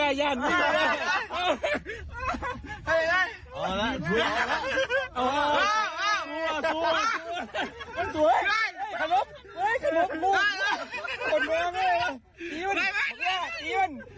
เฮ้ยขนมมันสวยเฮ้ยขนมมันสวย